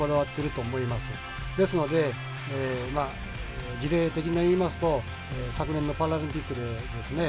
ですので事例的に言いますと昨年のパラリンピックでですね